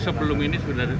sebelum ini sudah terendam